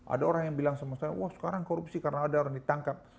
ada orang yang bilang sama saya wah sekarang korupsi karena ada orang ditangkap